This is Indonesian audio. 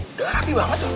udah rapi banget